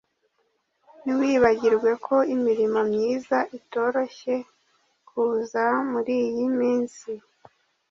Ntiwibagirwe ko imirimo myiza itoroshye kuza muriyi minsi